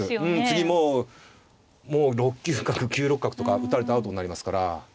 次もう６九角９六角とか打たれてアウトになりますから。